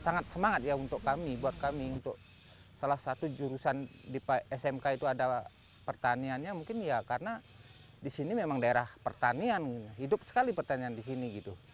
sangat semangat ya untuk kami buat kami untuk salah satu jurusan di smk itu ada pertaniannya mungkin ya karena disini memang daerah pertanian hidup sekali pertanian disini gitu